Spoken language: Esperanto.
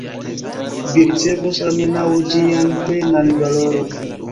Vi ricevos almenaŭ ĝian plenan valoron.